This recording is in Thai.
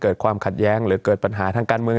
ความขัดแย้งหรือเกิดปัญหาทางการเมือง